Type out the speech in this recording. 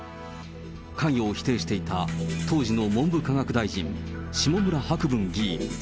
関与を否定していた当時の文部科学大臣、下村博文議員。